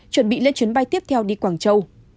chuẩn bị lên chuyến bay tiếp theo đi quảng châu